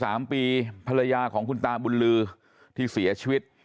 อายุ๗๓ปีภรรยาของคุณตามูลลือที่เสียชีวิต